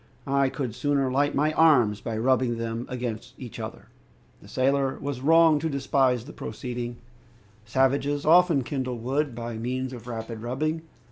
"I could sooner light my arms by rubbing them against each other!" The sailor was wrong to despise the proceeding. Savages often kindle wood by means of rapid rubbing.